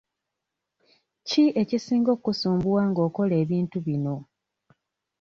Ki ekisinga okkusumbuwa nga okola ebintu bino?